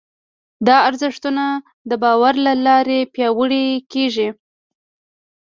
دا ارزښتونه د باور له لارې پياوړي کېږي.